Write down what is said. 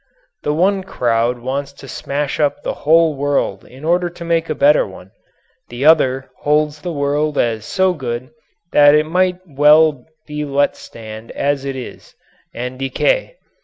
The one crowd wants to smash up the whole world in order to make a better one. The other holds the world as so good that it might well be let stand as it is and decay.